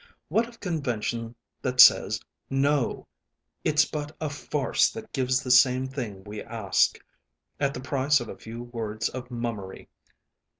What of convention that says 'no'? It's but a farce that gives the same thing we ask at the price of a few words of mummery.